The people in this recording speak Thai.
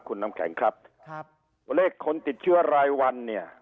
คุณน้ำแข็งครับครับเลขคนติดเชื้อรายวันเนี่ย